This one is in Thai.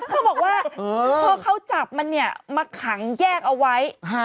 เขาบอกว่าพอเขาจับมันเนี่ยมาขังแยกเอาไว้